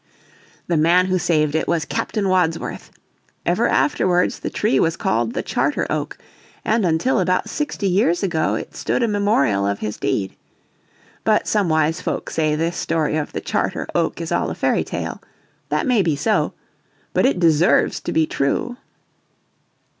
The man who saved it was Captain Wadsworth. Ever afterwards the tree was called the Charter Oak, and until about sixty years ago it stood a memorial of his deed. But some wise folk say this story of the Charter Oak is all a fairy tale. That may be so. But it deserves to be true.